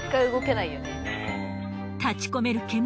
立ち込める煙。